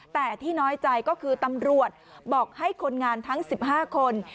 แต่ที่น้อยใจก็คือตำรวจบอกให้คนงานทั้ง๑๕คน